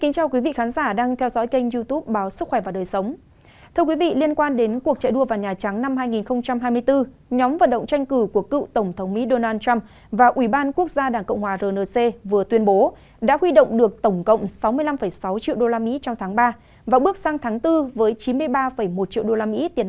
các bạn hãy đăng ký kênh để ủng hộ kênh của chúng mình nhé